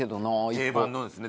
定番のですね。